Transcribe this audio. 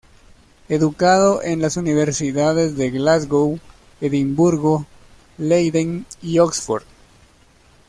Educado en las universidades de Glasgow, Edimburgo, Leiden y Oxford.